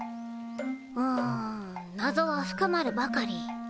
うんなぞは深まるばかり。